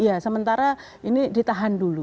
iya sementara ini ditahan dulu